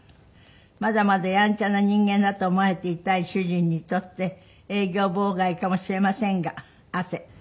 「まだまだヤンチャな人間だと思われていたい主人にとって営業妨害かもしれませんが汗」